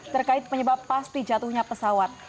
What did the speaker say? terkait penyebab pasti jatuhnya pesawat